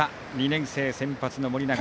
２年生先発の盛永。